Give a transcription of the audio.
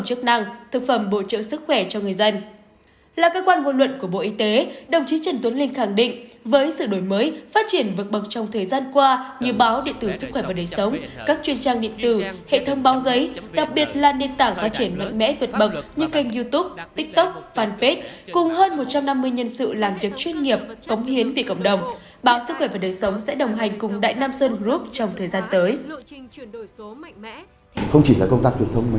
trong thời gian qua như báo điện tử sức khỏe và đời sống các chuyên trang điện tử hệ thông báo giấy đặc biệt là nền tảng phát triển mạnh mẽ vượt bậc như kênh youtube tiktok fanpage cùng hơn một trăm năm mươi nhân sự làm chứng chuyên nghiệp cống hiến vì cộng đồng báo sức khỏe và đời sống sẽ đồng hành cùng đại nam sơn group trong thời gian tới